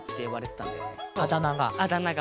あだなが？